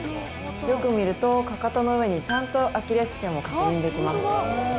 よく見ると、かかとの上にちゃんとアキレスけんも確認できます。